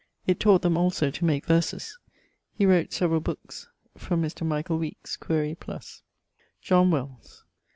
It taught them also to make verses. He wrote severall bookes from Mr. Michael Weekes: quaere +. =John Wells.